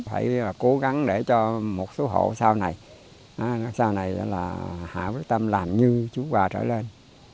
phải cố gắng để cho một số hộ sau này sau này là hạ quyết tâm làm như chú bà trở lên